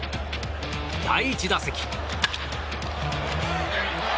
第１打席。